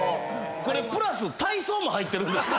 これプラス体操も入ってるんですか